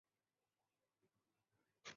印度薹草为莎草科薹草属的植物。